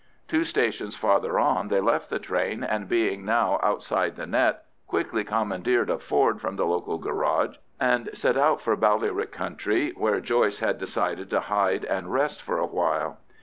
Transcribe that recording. Two stations farther on they left the train, and being now outside the net, quickly commandeered a Ford from the local garage and set out for the Ballyrick country, where Joyce had decided to hide and rest for a while.